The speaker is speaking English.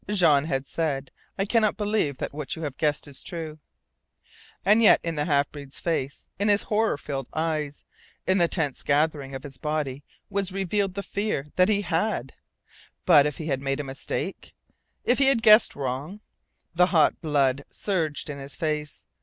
Jean had said: "I cannot believe that you have guessed true," and yet in the half breed's face, in his horror filled eyes, in the tense gathering of his body was revealed the fear that he HAD! But if he had made a mistake! If he had guessed wrong! The hot blood surged in his face.